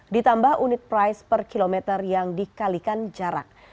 ditambah unit price per kilometer yang dikalikan jarak